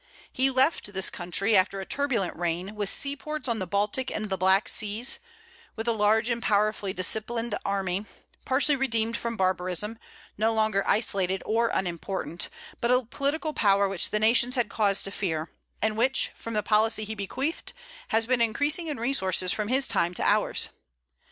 He left this country, after a turbulent reign, with seaports on the Baltic and the Black seas, with a large and powerfully disciplined army, partially redeemed from barbarism, no longer isolated or unimportant, but a political power which the nations had cause to fear, and which, from the policy he bequeathed, has been increasing in resources from his time to ours.